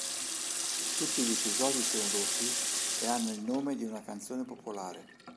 Tutti gli episodi sono doppi e hanno il nome di una canzone popolare.